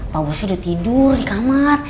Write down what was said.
pa bos sudah tidur di kamer